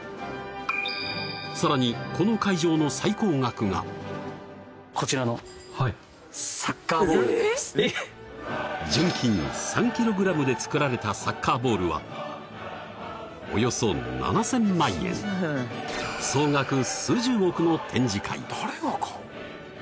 さらにこの会場の最高額がこちらの純金３ｋｇで作られたサッカーボールはおよそ７０００万円総額数十億の展示会